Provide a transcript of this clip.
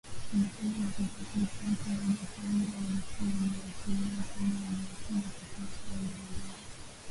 Wanachama wa Republican kwenye jopo hilo walikuwa wameashiria kwamba wangempinga katika masuala mbali-mbali